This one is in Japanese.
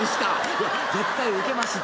「いや絶対ウケますって。